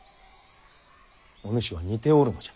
お主は似ておるのじゃ。